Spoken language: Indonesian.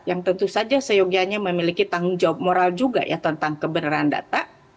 yang tentu saja seyogianya memiliki tanggung jawab moral juga ya tentang kebenaran data